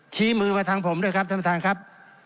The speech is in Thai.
ชี้มือมาทางผมด้วยครับท่านประธานครับ